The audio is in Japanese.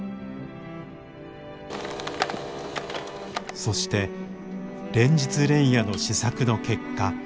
そして連日連夜の試作の結果。